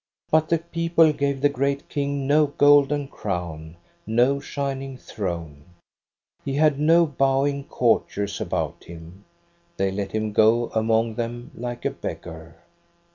"But the people gave the great King no golden crown, no shining throne. He had no bowing court iers about him. They let him go among them like a beggar.